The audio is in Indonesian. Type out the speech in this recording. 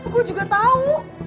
gue juga tau